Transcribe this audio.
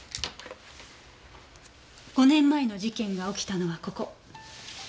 ５年前の事件が起きたのはここ。